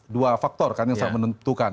dua faktor kan yang sangat menentukan